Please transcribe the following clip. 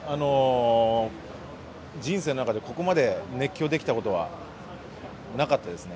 人生の中でここまで熱狂できたことはなかったですね。